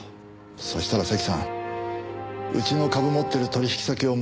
そしたら関さんうちの株持ってる取引先を回りだして。